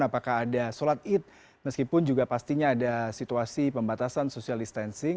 apakah ada sholat id meskipun juga pastinya ada situasi pembatasan sosial distancing